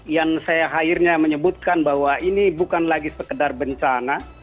yang saya akhirnya menyebutkan bahwa ini bukan lagi sekedar bencana